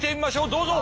どうぞ！